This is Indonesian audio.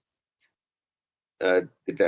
jadi tidak ada yang bisa dikumpulkan